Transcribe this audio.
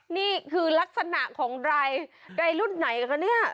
นี่คือลักษณะของอะไรใดรุ่นไหนคะเนี่ย